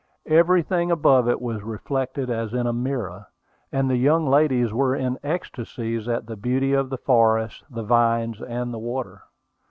Everything above it was reflected as in a mirror, and the young ladies were in ecstasies at the beauty of the forest, the vines, and the water.